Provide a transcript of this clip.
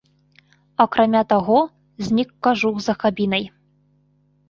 Акрамя таго, знік кажух за кабінай.